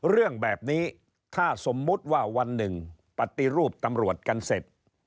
เรื่องแบบนี้ถ้าสมมุติว่าวันหนึ่งปฏิรูปตำรวจกันเสร็จ